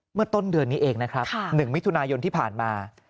เมื่อต้นเดือนนี้เองนะครับ๑มิถุนายนที่ผ่านมา